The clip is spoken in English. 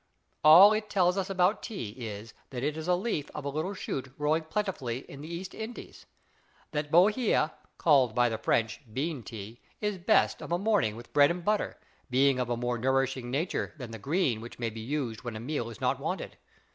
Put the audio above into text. All it tells us about tea is that it is the leaf of a little shoot growing plentifully in the East Indies; that Bohea called by the French "Bean Tea" is best of a morning with bread and butter, being of a more nourishing nature than the green which may be used when a meal is not wanted.